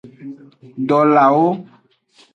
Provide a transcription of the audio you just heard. Dolawo.